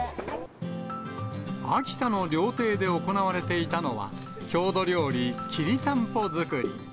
秋田の料亭で行われていたのは、郷土料理、きりたんぽ作り。